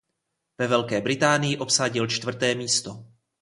Ve Velké Británii obsadil čtvrté místo.